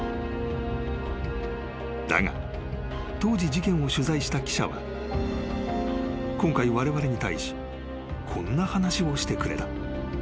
［だが当時事件を取材した記者は今回われわれに対しこんな話をしてくれた］